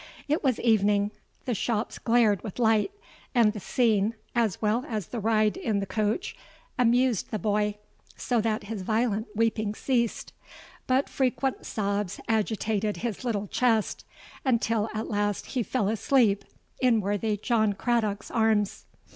It was evening—the shops glared with light; and the scene, as well as the ride in the coach, amused the boy, so that his violent weeping ceased—but frequent sobs agitated his little chest, until at last he fell asleep in worthy John Craddock's arms.